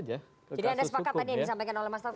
jadi anda sepakat tadi yang disampaikan oleh mas taufik